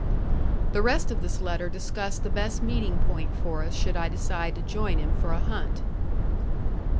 The rest of this letter discussed the best meeting point for us should I decide to join him for a hunt.